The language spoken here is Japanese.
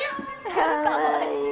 かわいい。